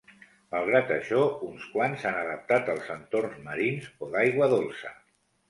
Malgrat això, uns quants s'han adaptat als entorns marins o d'aigua dolça.